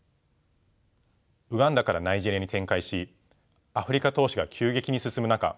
ウガンダからナイジェリアに展開しアフリカ投資が急激に進む中